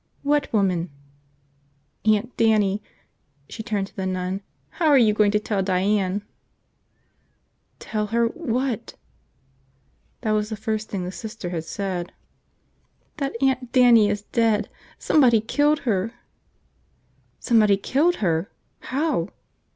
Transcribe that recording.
"What woman?" "Aunt Dannie." She turned to the nun. "How are you going to tell Diane?" "Tell her –what?" That was the first thing the Sister had said. "That Aunt Dannie is dead. Somebody killed her." "Somebody killed her? How?"